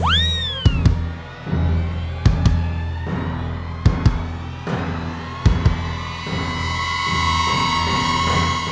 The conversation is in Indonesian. terima kasih pak